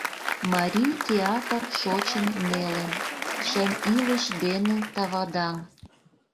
Марий театр шочын нелын: Шем илыш дене тавадаҥ.